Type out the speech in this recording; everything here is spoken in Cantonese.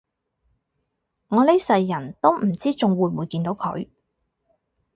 我呢世人都唔知仲會唔會見到佢